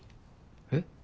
えっ？